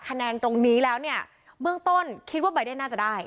คะแนนตรงนี้แล้วเนี่ยเบื้องต้นคิดว่าใบเดนน่าจะได้